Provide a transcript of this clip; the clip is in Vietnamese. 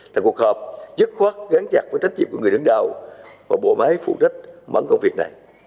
tại cuộc họp dứt khoát gắn chặt với trách nhiệm của người đứng đầu và bộ máy phụ trách mở công việc này